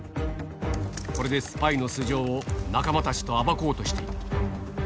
これでスパイの素性を仲間たちと暴こうとしていた。